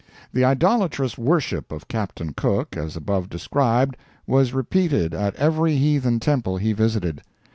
The idolatrous worship of Captain Cook, as above described, was repeated at every heathen temple he visited.